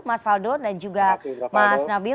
mas faldo dan juga mas nabil